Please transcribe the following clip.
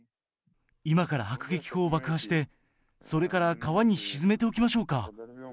今から迫撃砲を爆破して、それから川に沈めておきましょうか。